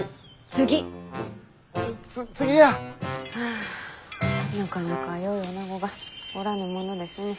あなかなかよいおなごがおらぬものですね。